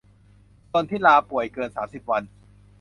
ส่วนที่ลาป่วยเกิน สามสิบ วัน